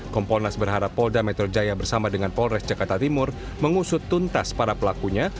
kompolnas berharap polda metro jaya bersama dengan polres jakarta timur mengusut tuntas para pelakunya